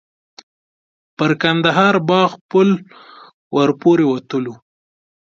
پر کندهار باغ پل ور پورې وتلو.